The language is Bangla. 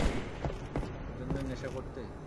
এজন্যই নেশা করতে?